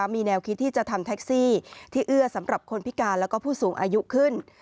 มีแนวคิดที่จะทำแท็กซี่ที่เอื้อสำหรับคนพิการแล้วก็ผู้สูงอายุขึ้น